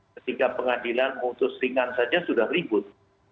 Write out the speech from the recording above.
ketika pengadilan memutus ringan saja sudah ribut